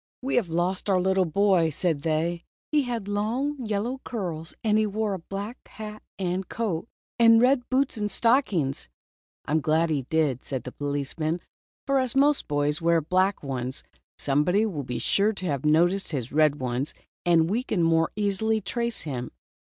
"We have lost our little boy," said they. " He had long yellow curls ; and he wore a black hat and coat, and red boots and stockings." "I am glad he did," said the policeman, "for as most boys wear black ones, somebody will be sure to have noticed his red ones, and we can more easily trace him."